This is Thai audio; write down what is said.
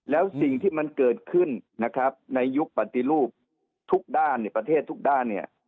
แล้วสิ่งที่มันเกิดขึ้นนะครับในยุคปฏิรูปทุกด้านในประเทศทุกด้านเนี่ย